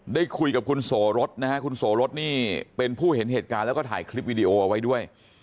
ได้คุยกับคุณโสรสนะฮะคุณโสรสนี่เป็นผู้เห็นเหตุการณ์แล้วก็ถ่ายคลิปวิดีโอเอาไว้ด้วย